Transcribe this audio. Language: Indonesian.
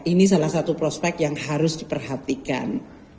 ini salah satu prospek yang harus diperhatikan